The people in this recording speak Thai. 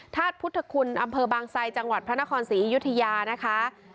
ธาตุพุทธคุณอำเภอบางไซจังหวัดพระนครศรีอยุธยานะคะ